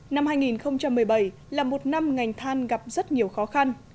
năm hai nghìn một mươi bảy là một năm ngành than gặp rất nhiều khó khăn